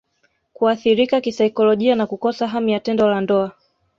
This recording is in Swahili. Kuathirika kisaikolojia na Kukosa hamu ya tendo la ndoa